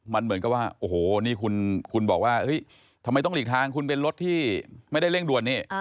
มันเหมือนกับว่าโอ้โหนี่คุณบอกว่าทำไมต้องหลีกทางคุณเป็นรถที่ไม่ได้เร่งด่วนนี่